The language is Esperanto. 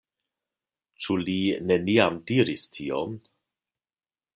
Ĉu li neniam diris tion?